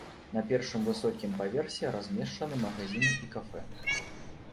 На першым высокім паверсе размешчаны магазіны і кафэ.